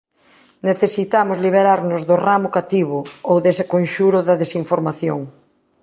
Necesitamos liberarnos do ramo cativo, ou dese conxuro da desinformación.